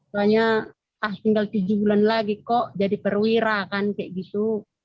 soalnya ah tinggal tujuh bulan lagi kok jadi perwira kan kayak gitu